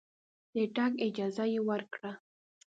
د تګ اجازه یې ورکړه.